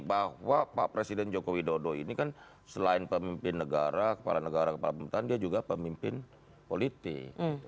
bahwa pak presiden joko widodo ini kan selain pemimpin negara kepala negara kepala pemerintahan dia juga pemimpin politik